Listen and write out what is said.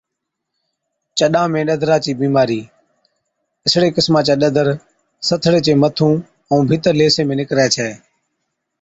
چڏان ۾ ڏَدرا چِي بِيمارِي، اِسڙي قِسما چَي ڏَدر سٿڙي چي مٿُون ائُون ڀِيترلي حِصي ۾ نِڪرَي ڇَي۔